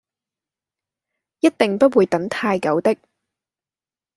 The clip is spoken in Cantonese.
一定不會等太久的